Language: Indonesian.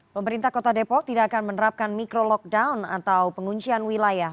pemerintah kota depok tidak akan menerapkan micro lockdown atau penguncian wilayah